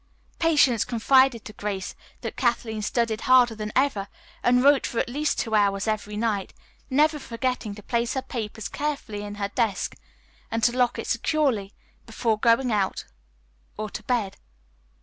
Patience confided to Grace that Kathleen studied harder than ever, and wrote for at least two hours every night, never forgetting to place her papers carefully in her desk and to lock it securely before going out or to bed.